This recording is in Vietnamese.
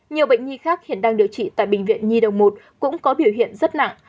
nhiều bệnh nhi khác hiện đang điều trị tại bệnh viện nhi đồng một cũng có biểu hiện rất nặng